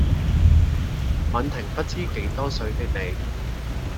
吻停不知幾多歲的你